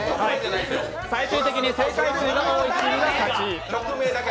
最終的に正解数が多いチームが勝ち。